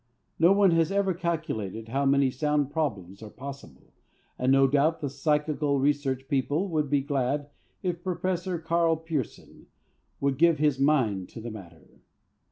No one has ever calculated how many sound Problems are possible, and no doubt the Psychical Research people would be glad if Professor Karl Pearson would give his mind to the matter.